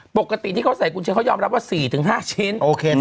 ปกติที่เขาใส่กุญเชียเขายอมรับว่า๔๕ชิ้น